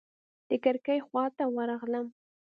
د کړکۍ خواته ورغلم.